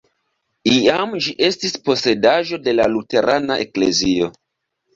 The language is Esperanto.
Iam ĝi estis posedaĵo de la luterana eklezio.